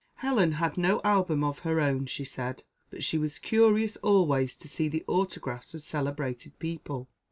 Helen had no album of her own, she said, but she was curious always to see the autographs of celebrated people.